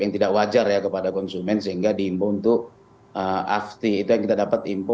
yang tidak wajar ya kepada konsumen sehingga diimbau untuk afti itu yang kita dapat info